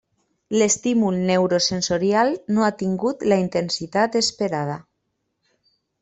L'estímul neurosensorial no ha tingut la intensitat esperada.